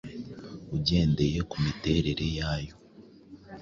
ugendeye ku miterere yayo.